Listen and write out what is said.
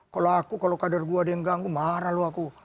kalau aku kalau kader gue ada yang ganggu marah loh aku